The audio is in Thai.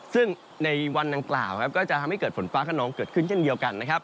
ซึ่งในวันดังกล่าวก็จะทำให้เกิดฝนฟ้าขนองเกิดขึ้นเช่นเดียวกันนะครับ